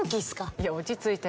いや落ち着いて。